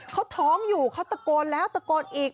เขาท้องอยู่เขาตะโกนแล้วตะโกนอีก